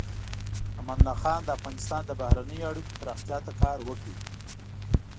امان الله خان د افغانستان د بهرنیو اړیکو پراختیا ته کار وکړ.